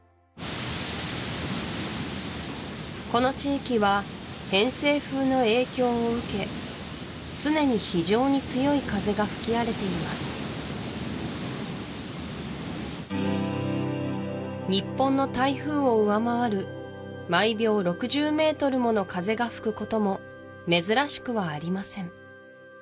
この地域は偏西風の影響を受け常に非常に強い風が吹き荒れています日本の台風を上回る毎秒６０ｍもの風が吹くことも珍しくはありません